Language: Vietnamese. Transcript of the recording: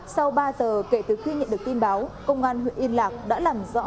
sau ba giờ kể từ khi nhận được tin báo công an huyện yên lạc đã làm rõ